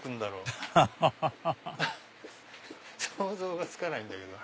アハハハハ想像がつかないんだけど。